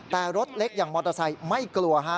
แต่รถเล็กอย่างมอเตอร์ไซค์ไม่กลัวฮะ